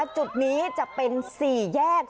จุดนี้จะเป็น๔แยก